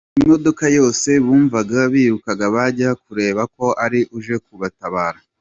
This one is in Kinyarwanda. Imodoka yose bumvaga birukaga bajya kureba ko ari uje kubatabara.